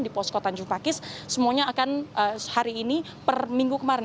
di posko tanjung pakis semuanya akan hari ini per minggu kemarin